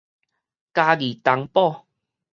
嘉義東堡